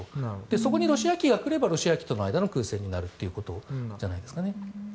そこにロシア機が来ればロシア機との空戦になるということじゃないですかね。